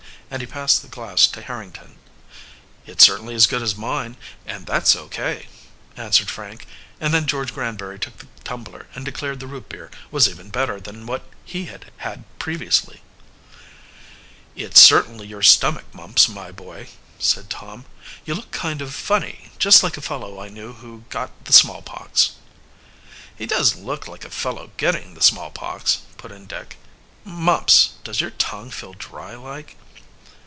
and he passed the glass to Harrington. "It's certainly as good as mine, and that's O. K.," answered Frank; and then George Granbury took the tumbler and declared the root beer was even better than what he had had previously. "It's certainly your stomach, Mumps, my boy," said Tom. "You look kind of funny just like a fellow I knew who got the smallpox." "He does look like a fellow getting the smallpox," put in Dick. "Mumps, does your tongue feel dry like?"